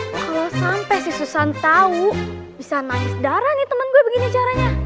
kalau sampai si susan tahu bisa naik sedara nih temen gue begini caranya